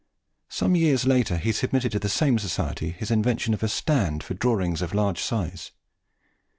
Some years later, he submitted to the same Society his invention of a stand for drawings of large size.